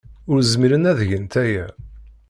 Ur zmiren ad gent aya.